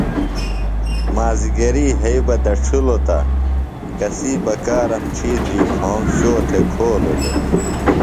مازِگری یھئ بہ دڇِھلوۡ تہ کسی بکارم ڇِھیتری گھوم شو تھےۡ کھولو دےۡ۔